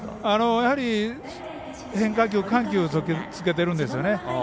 やはり変化球に緩急をつけているんですよね。